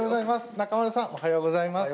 中丸さん、おはようございます。